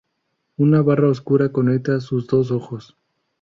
Una barra oscura conecta sus dos ojos.